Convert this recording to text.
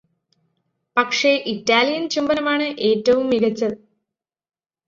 പക്ഷെ ഇറ്റാലിയൻ ചുംബനമാണ് ഏറ്റവും മികച്ചത്